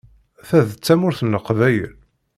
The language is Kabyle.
Ta d Tamurt n Leqbayel.